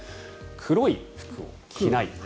黒い服を着ない。